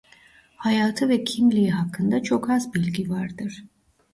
Hayatı ve kimliği hakkında çok az bilgi vardır.